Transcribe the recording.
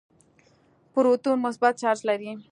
پروتون مثبت چارج لري.